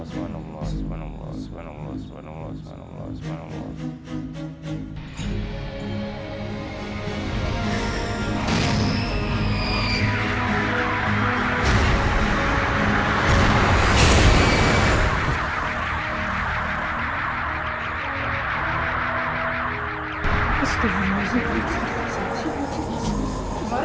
semua tegajian mati suara